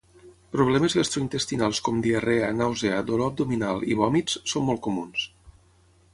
Problemes gastrointestinals com diarrea, nàusea, dolor abdominal, i vòmits, són molt comuns.